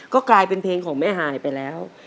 ก็กลายเป็นเพลงของแม่หายไปแล้ว